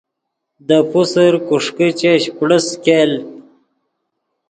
دے پوسر کوݰیکے چش پڑس ګیل